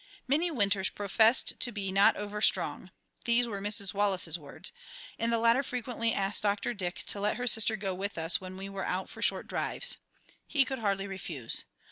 Minnie Winters professed to be "not over strong" these were Mrs. Wallace's words and the latter frequently asked Dr. Dick to let her sister go with us when we were out for short drives. He could hardly refuse.